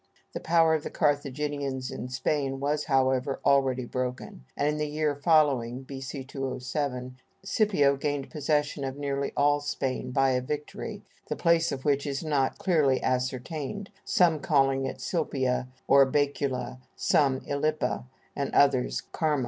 The power of the Carthaginians in Spain was, however, already broken, and in the year following (B.C. 207) Scipio gained possession of nearly all Spain by a victory, the place of which is not clearly ascertained, some calling it Silpia or Bæcula, some Ilipa, and others Carmo.